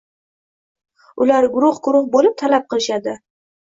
Ular guruh-guruh bo‘lib talab qilishadi: